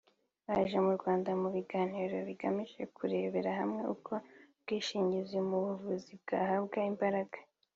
baje mu Rwanda mu biganiro bigamije kurebera hamwe uko ubwishingizi mu buvuzi bwahabwa imbaraga